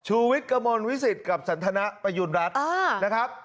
วิทย์กระมวลวิสิตกับสันทนประยุณรัฐนะครับ